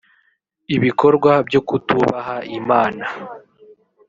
ibikorwa byo kutubaha imana